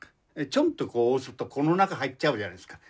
チョンと押すとこの中入っちゃうじゃないですか。